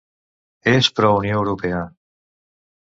És pro-Unió Europea.